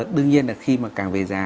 đương nhiên là khi mà càng về già